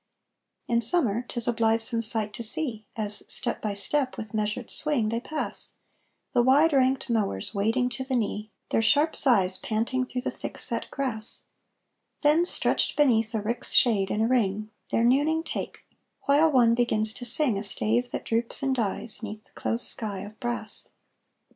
In Summer 'tis a blithesome sight to see, As, step by step, with measured swing, they pass, The wide ranked mowers wading to the knee, Their sharp scythes panting through the thick set grass; Then, stretched beneath a rick's shade in a ring, Their nooning take, while one begins to sing A stave that droops and dies 'neath the close sky of brass.